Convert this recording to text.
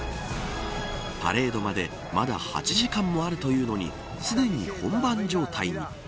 パレードまでまだ８時間もあるというのにすでに本番状態に。